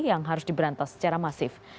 yang harus diberantas secara masif